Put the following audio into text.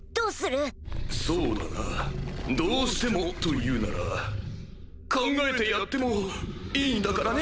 そうだなどうしてもというなら考えてやってもいいんだからね！